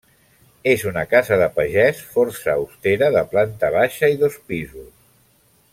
És una casa de pagès força austera de planta baixa i dos pisos.